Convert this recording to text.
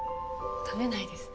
食べないです。